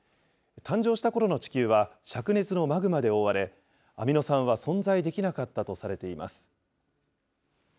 誕生したころの地球は、灼熱のマグマで覆われ、アミノ酸は存在できなかったとされています。